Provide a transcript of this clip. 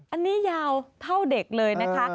อันนี้ยาวเท่าเด็กเลยนะคะ